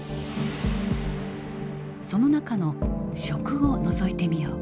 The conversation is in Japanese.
その中の「食」をのぞいてみよう。